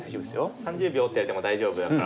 ３０秒って言われても大丈夫だから。